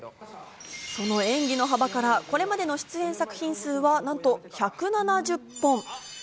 その演技の幅からこれまでの出演作品数はなんと１７０本。